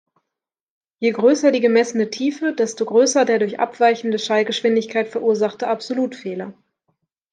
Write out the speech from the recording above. Je größer die gemessene Tiefe, desto größer der durch abweichende Schallgeschwindigkeit verursachte Absolut-Fehler.